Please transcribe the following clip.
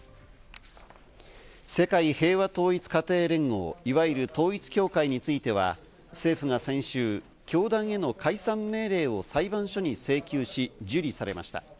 世界平和統一家庭連合、いわゆる統一教会については、政府が先週、教団への解散命令を裁判所に請求し、受理されました。